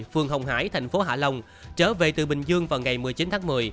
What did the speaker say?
phường hồng hải thành phố hạ long trở về từ bình dương vào ngày một mươi chín tháng một mươi